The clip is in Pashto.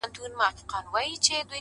د هغه ورځي څه مي!